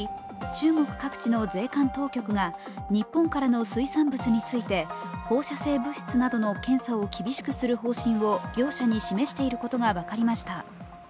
中国各地の税関当局が日本からの水産物について放射性物質などの検査を厳しくする方針を業者に示していることが分かりました。